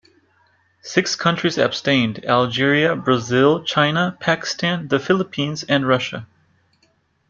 Six countries abstained: Algeria, Brazil, China, Pakistan, the Philippines and Russia.